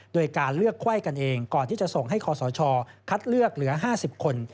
โดยการเลือกไข้กันเองก่อนที่จะส่งให้คอสชคัดเลือกเหลือ๕๐คน